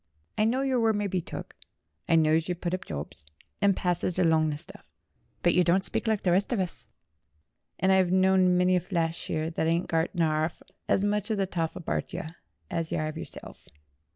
I know your word mye be took; I knows yer puts up jobs, and passes along the stuff. But yer don't speak like the rest of us, and I've knowed many flashier thet 'adn't got 'arf as much of the toff abart 'em as yer 'ave yer self.